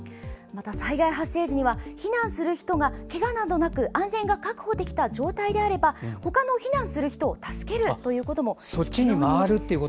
災害発生時には避難する人がけがなどなく安全が確保できていれば他の避難する人を助けることが必要になります。